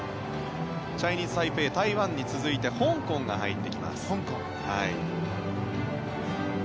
チャイニーズ・タイペイ台湾に続いて香港が入ってきます。